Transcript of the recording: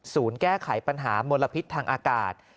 แก้ไขปัญหามลพิษทางอากาศ